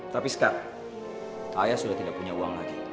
tapi sekarang ayah sudah tidak punya uang lagi